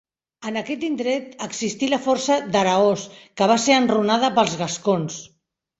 En aquest indret existí la Força d'Araós que va ser enrunada pels gascons.